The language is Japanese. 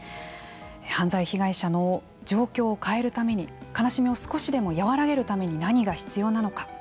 犯罪被害者の状況を変えるために悲しみを少しでも和らげるために何が必要なのか。